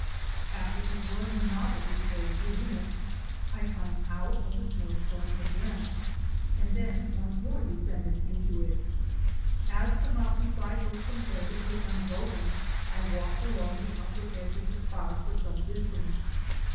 After enjoying the novelty for a few min utes I climbed out of the snowstorm again and then once more descended into it. As the mountain side was comparatively unbroken I walked along the upper edge of the cloud for some distance.